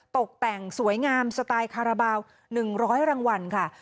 ตกแต่งสวยงามสไตล์คาราบาล๑๐๐รางวัลค่ะ